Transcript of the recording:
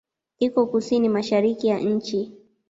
Iko kusini-mashariki ya nchi.